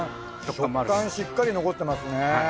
食感しっかり残ってますね。